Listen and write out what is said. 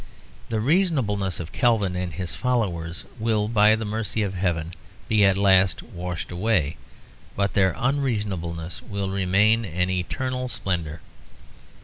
The reasonableness of Calvin and his followers will by the mercy of heaven be at last washed away; but their unreasonableness will remain an eternal splendour.